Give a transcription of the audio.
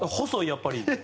やっぱり。